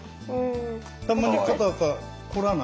たまに肩がこらない？